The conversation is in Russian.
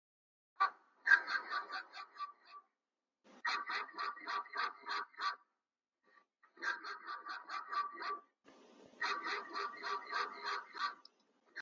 Ах вот, как ты с родителями. Мы тебя холили и лелеяли, воспитывали... А ты!